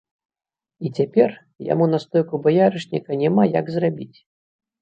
І цяпер яму настойку баярышніка няма як зрабіць.